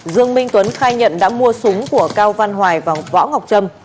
dương minh tuấn khai nhận đã mua súng của cao văn hoài và võ ngọc trâm